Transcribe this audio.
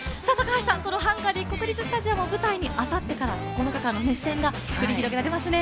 このハンガリー国立スタジアムを舞台にあさってから９日間の熱戦が繰り広げられますね。